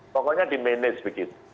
pokoknya di manage begitu